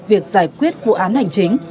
việc giải quyết vụ án hành chính